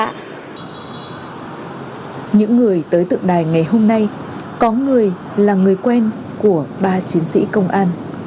những người tới tượng đài ngày hôm nay có người là người quen của ba chiến sĩ công an